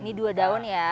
ini dua daun ya